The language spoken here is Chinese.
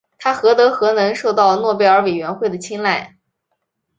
他何德何能受到诺贝尔委员会的青睐。